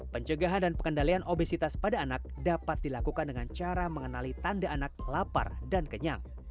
pencegahan dan pengendalian obesitas pada anak dapat dilakukan dengan cara mengenali tanda anak lapar dan kenyang